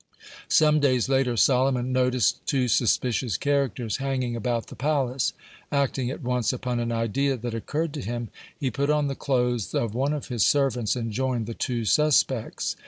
Some days later Solomon noticed two suspicious characters hanging about the palace. Acting at once upon an idea that occurred to him, he put on the clothes of one of his servants and joined the two suspects.